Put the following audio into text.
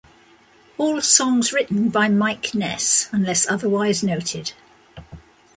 All songs written by Mike Ness unless otherwise noted.